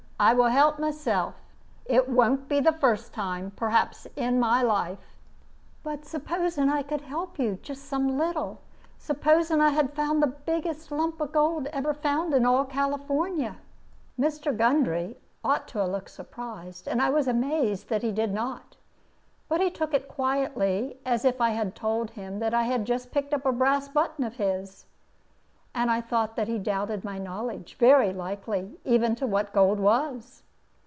I will help myself. It won't be the first time, perhaps, in my life." "But supposing that I could help you, just some little? Supposing that I had found the biggest lump of gold ever found in all California?" Mr. Gundry ought to have looked surprised, and I was amazed that he did not; but he took it as quietly as if I had told him that I had just picked up a brass button of his; and I thought that he doubted my knowledge, very likely, even as to what gold was.